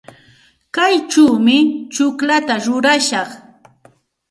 Kaychawmi tsukllata rurashaq.